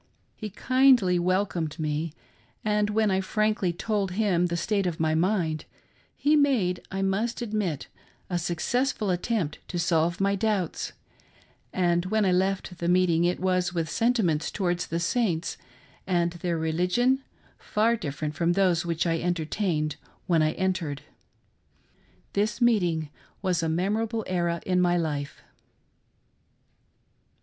He kindly welcomed me, and when I frankly told him the state of my mind, he made, I must admit, a successful attempt to solve my doubts, and when I left the meeting it was with sentiments towards the saints and their religion far different from those which I entertained when I entered. This meeting was a memorable era in my life.